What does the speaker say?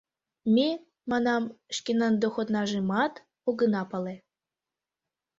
Ме, манам, шкенан доходнажымат огына пале.